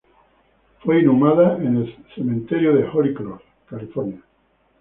Fue inhumada en el Cementerio de Holy Cross, California.